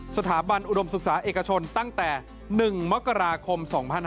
สถาบันอุดมศึกษาเอกชนตั้งแต่๑มกราคม๒๕๖๒